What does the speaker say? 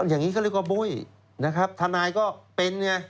อย่างนี้ก็เรียกว่าบุ้ยนะครับทนายก็เป็นไง